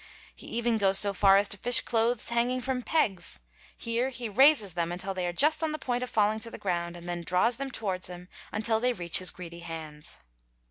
He even goes so far as to fish clothes hanging from pegs; here he raises them until they are just on the point of falling to the ground and then draws them towards him until they ..} reach his greedy hands.